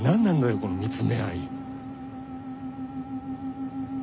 この見つめ合い。